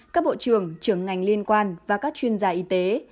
các bộ trưởng trưởng ngành liên quan và các chuyên gia y tế